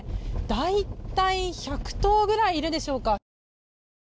大体１００頭くらいいるでしょうか。